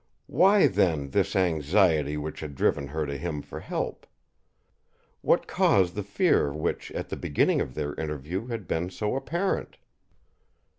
Why, then, this anxiety which had driven her to him for help? What caused the fear which, at the beginning of their interview, had been so apparent?